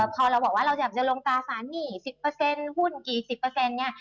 พอเราบอกว่าเราจะลงตราสารหนี้๑๐หุ้นกี่๑๐